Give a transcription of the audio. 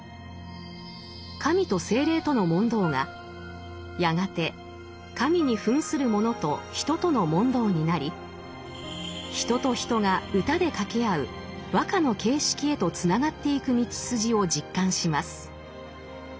神と精霊との問答がやがて神に扮する者と人との問答になり人と人が歌で掛け合う和歌の形式へとつながっていく道筋を実感します。